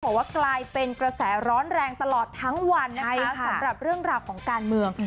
บอกว่ากลายเป็นกระแสร้อนแรงตลอดทั้งวันนะคะสำหรับเรื่องราวของการเมือง